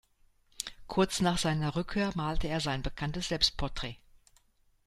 Kurz nach seiner Rückkehr malte er sein bekanntes Selbstporträt.